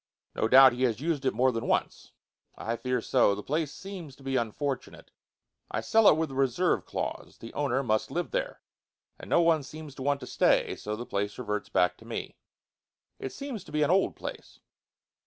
"No doubt he has used it more than once." "I fear so. The place seems to be unfortunate. I sell it with a reserve clause. The owner must live there. And no one seems to want to stay; so the place reverts back to me." "It seems to be an old place."